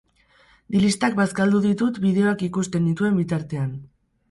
Dilistak bazkaldu ditut bideoak ikusten nituen bitartean.